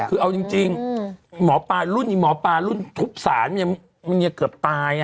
คือเอาจริงหมอปลารุ่นทุกษานยังเกือบตาย